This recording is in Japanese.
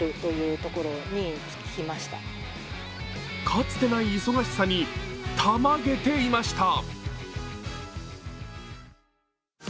かつてない忙しさにタマげていました。